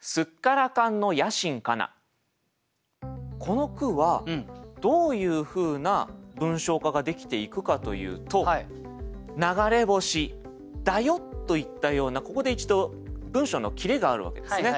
この句はどういうふうな文章化ができていくかというと「流れ星だよ」といったようなここで一度文章の切れがあるわけですね。